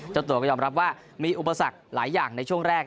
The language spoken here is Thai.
เจ้าตัวก็ยอมรับว่ามีอุปสรรคหลายอย่างในช่วงแรก